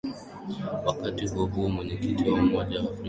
wakati huohuo mwenyekiti wa umoja wa afrika rais wa malawi bingu mutharika